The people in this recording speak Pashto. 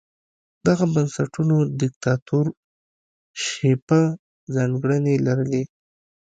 دغو بنسټونو دیکتاتورشیپه ځانګړنې لرلې.